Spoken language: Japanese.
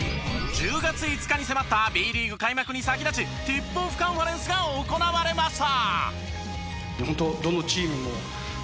１０月５日に迫ったＢリーグ開幕に先立ちＴＩＰＯＦＦカンファレンスが行われました。